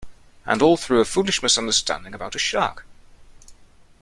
And all through a foolish misunderstanding about a shark.